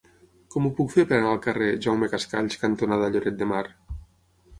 Com ho puc fer per anar al carrer Jaume Cascalls cantonada Lloret de Mar?